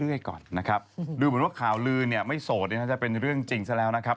ก่อนนะครับดูเหมือนว่าข่าวลือเนี่ยไม่โสดจะเป็นเรื่องจริงซะแล้วนะครับ